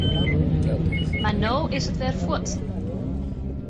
Mar no is it wer fuort.